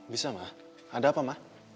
bisa ma ada apa mah